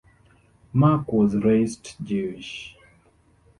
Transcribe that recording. Marc was raised Jewish.